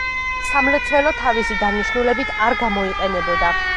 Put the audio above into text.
სამლოცველო თავისი დანიშნულებით არ გამოიყენებოდა.